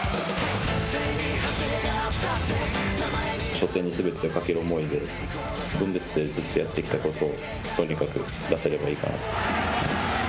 初戦にすべてをかける思いで、ブンデスでずっとやってきたことを、とにかく出せればいいかな。